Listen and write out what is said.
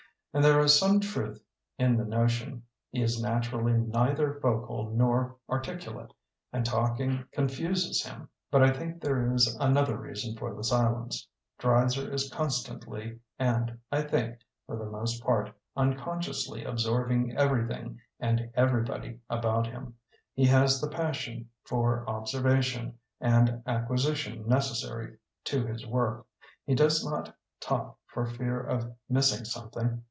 And there is some truth in the notion. He is naturally neither vocal nor ar ticulate, and talking confuses him.* But I think there is another reason for the silence. Dreiser is constantly and, I think, for the most part uncon sciously absorbing everything and everybody about him. He has the pas sion for observation and acquisition necessary to his work. He does not talk for fear of missing something.